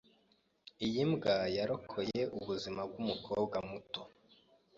Iyi mbwa yarokoye ubuzima bwumukobwa muto.